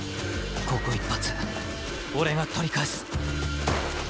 ここ一発俺が取り返す。